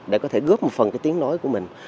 để có thể góp một phần cái tiếng nói của mình